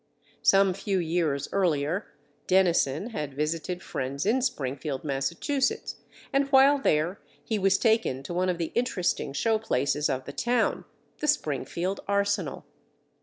Some few years earlier, Dennison had visited friends in Springfield, Massachusetts, and while there he was taken to one of the interesting show places of the town—the Springfield Arsenal.